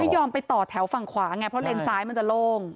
ยอมไปต่อแถวฝั่งขวาไงเพราะเลนซ้ายมันจะโล่ง